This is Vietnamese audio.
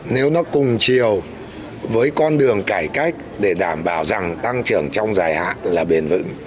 nếu nó cùng chiều với con đường cải cách để đảm bảo rằng tăng trưởng trong dài hạn là bền vững